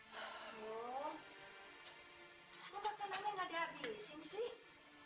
kok makanannya gak habisin sih